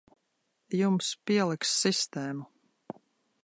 Jums pieliks sistēmu.